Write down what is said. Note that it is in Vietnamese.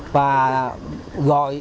và gọi đối tượng